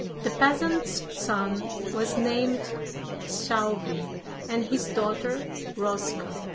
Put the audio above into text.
The peasant's son was named Thjalfi, and his daughter Roska.